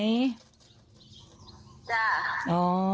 ซัพเจานะ